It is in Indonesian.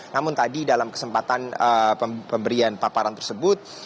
namun tadi dalam kesempatan pemberian paparan tersebut